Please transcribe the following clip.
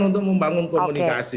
untuk membangun komunikasi